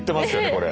これ。